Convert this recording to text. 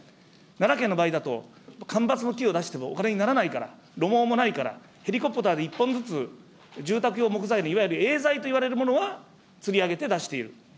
奈良県の場合だと、干ばつの木を出してもお金にならないから、路網もないから、ヘリコプターで１本ずつ、住宅用木材のいわゆるエーザイといわれるものは積み上げて出している。